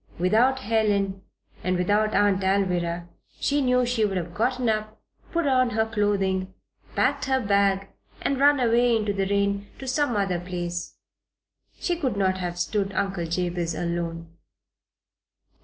Without Helen, and without Aunt Alvirah, she knew she would have gotten up, put on her clothing, packed her bag, and run away in the rain to some other place. She could not have stood Uncle Jabez alone.